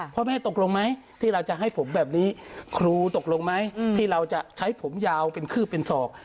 พ่อแม่ตกลงไหมที่เราจะให้ผมแบบนี้ครูตกลงไหมที่เราจะใช้ผมยาวเป็นคืบเป็นศอก